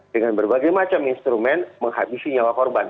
dengan berbagai macam instrumen menghabisi nyawa korban